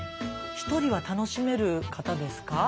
ひとりは楽しめる方ですか？